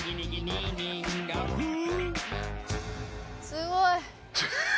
すごい。